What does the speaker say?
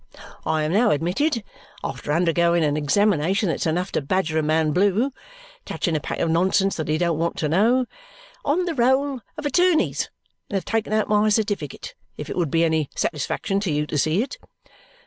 I am now admitted (after undergoing an examination that's enough to badger a man blue, touching a pack of nonsense that he don't want to know) on the roll of attorneys and have taken out my certificate, if it would be any satisfaction to you to see it."